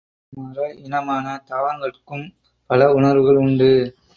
மர இனமான தாவரங்கட்கும் பல உணர்வுகள் உண்டு.